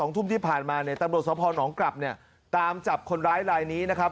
ทุ่มที่ผ่านมาเนี่ยตำรวจสภหนองกลับเนี่ยตามจับคนร้ายลายนี้นะครับ